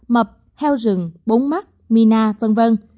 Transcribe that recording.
mập heo rừng bốn mắt mina v v